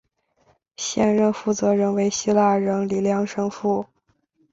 现任负责人为希腊人李亮神父。